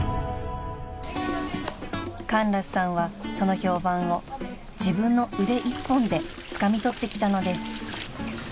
［カンラスさんはその評判を自分の腕一本でつかみ取ってきたのです］